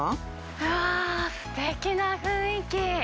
あー、すてきな雰囲気。